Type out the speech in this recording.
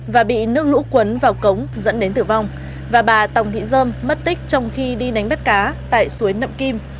và bị nước lũ cuốn vào cống dẫn đến tử vong và bà tòng thị dơm mất tích trong khi đi đánh bắt cá tại suối nậm kim